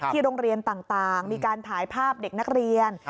โรงเรียนต่างมีการถ่ายภาพเด็กนักเรียน